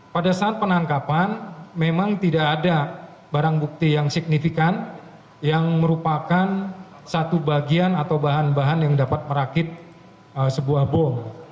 pada saat penangkapan memang tidak ada barang bukti yang signifikan yang merupakan satu bagian atau bahan bahan yang dapat merakit sebuah bom